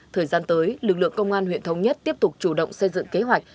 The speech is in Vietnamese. thời gian tới lực lượng công an huyện thống nhất tiếp tục chủ động xây dựng kế hoạch